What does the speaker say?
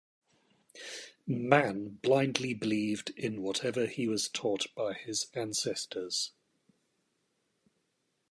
Man blindly believed in whatever he was taught by his ancestors.